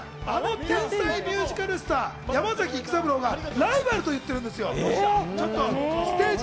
あの天才ミュージカルスター、山崎育三郎がライバルと言っているんですよ。